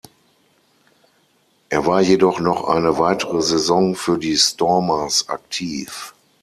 Er war jedoch noch eine weitere Saison für die Stormers aktiv.